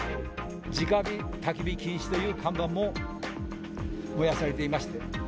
じか火・たき火禁止という看板も燃やされていまして。